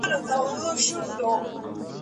سګرټ څکول د ناروغۍ اغېز نور هم زیاتوي.